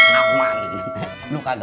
lu kagak berhenti